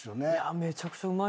めちゃくちゃうまい。